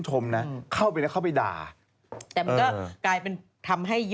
ต้องให้ตบให้หูตึงเลยบอกให้